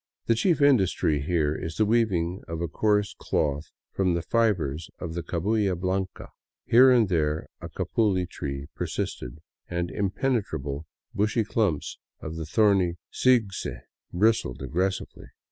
The chief industry here is the weaving of a coarse cloth from the fibers of the cabuya blanca. Here and there a capuli tree persisted, and impenetrable, bushy clumps of the thorny sigse bristled aggressively.